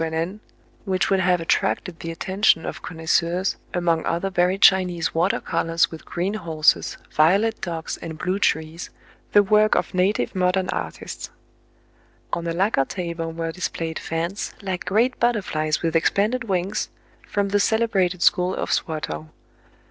Now, some foreign envoys who s 2 TRIBULATIONS OF A CHINAMAN, which would have attracted the attention of con noisseurs among other very Chinese water colors with green horses, violet dogs, and blue trees, the work of native modern artists. On a lacquer table were displayed fans, like great butterflies with expanded wings, from the celebrated school of Swatow.